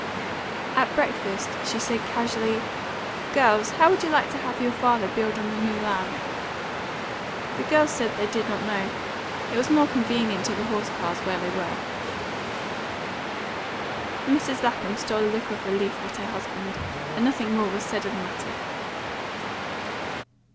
At breakfast she said casually: "Girls, how would you like to have your father build on the New Land?" The girls said they did not know. It was more convenient to the horse cars where they were. Mrs. Lapham stole a look of relief at her husband, and nothing more was said of the matter.